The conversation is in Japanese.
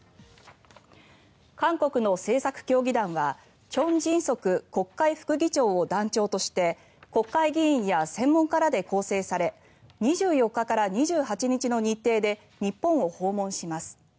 韓国の政策協議団はチョン・ジンソク国会副議長を団長として国会議員や専門家らで構成され２４日から２８日の日程で日本を訪問します。